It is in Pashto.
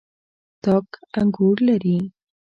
تاک انګور لري.